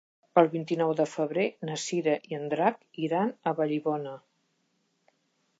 El vint-i-nou de febrer na Cira i en Drac iran a Vallibona.